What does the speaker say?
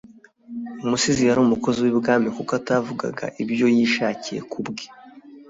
Umusizi yari umukozi w'i Bwami kuko atavugaga ibyo yishakiye ku bwe